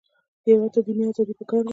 هېواد ته دیني ازادي پکار ده